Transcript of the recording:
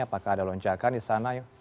apakah ada lonjakan di sana